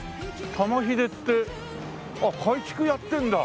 玉ひでってあっ改築やってるんだ。